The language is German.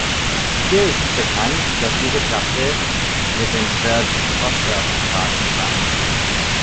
Hier ist bekannt, dass diese Klasse mit den Church-Rosser-Sprachen übereinstimmt.